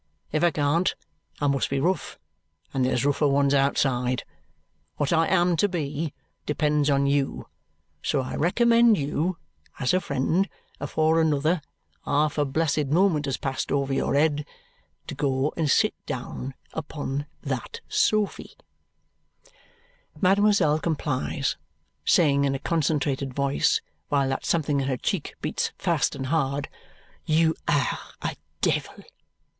If I can't, I must be rough, and there's rougher ones outside. What I am to be depends on you. So I recommend you, as a friend, afore another half a blessed moment has passed over your head, to go and sit down upon that sofy." Mademoiselle complies, saying in a concentrated voice while that something in her cheek beats fast and hard, "You are a devil."